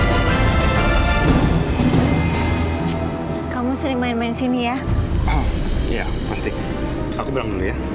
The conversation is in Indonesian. hai reaction kamu sering main main sini ya ya pasti aku lubangnya